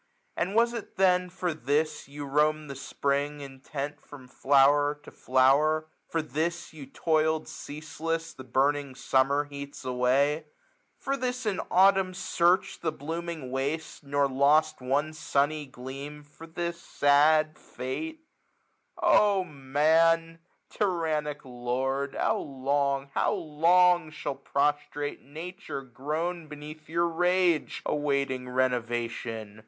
1 181 And was it then for this you roam'd the Spring, Intent from flower to flower f for this you toil'd Ceaseless the burning Summer heats away ? For this in Autumn searched the blooming waste, 1 1 85 Nor lost one sunny gleam, fqr this ss^d fate ? O Man ! tyrannic lord ! how Iqng, how long. Shall prostrate Nature groan beneath your rage. Awaiting renovation